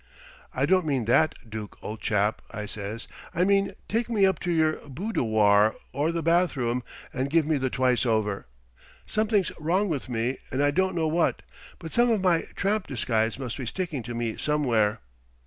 'I don't mean that, Dook, old chap,' I says; 'I mean take me up to your bood u war or the bathroom and give me the twice over. Something's wrong with me, and I don't know what, but some of my tramp disguise must be sticking to me somewhere.'